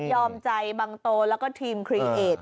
ใจบังโตแล้วก็ทีมคลีเอด